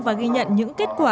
và ghi nhận những kết quả